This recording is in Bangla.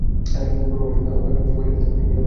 পূর্ব পার্শ্ব অপেক্ষা পশ্চিম পার্শ্ব খাড়া।